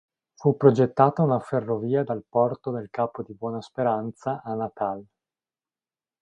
Fu progettata una ferrovia dal porto del Capo di Buona Speranza a Natal.